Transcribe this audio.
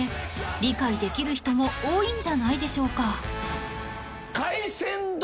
［理解できる人も多いんじゃないでしょうか？］